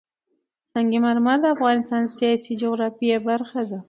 سنگ مرمر د افغانستان د سیاسي جغرافیه برخه ده.